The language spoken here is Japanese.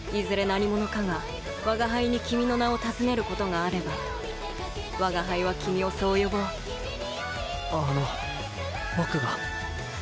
何者かが我が輩に君の名を尋ねることがあれば我が輩は君をそう呼ぼうあの僕が？